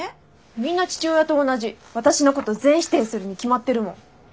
みんな父親と同じ私のこと全否定するに決まってるもん。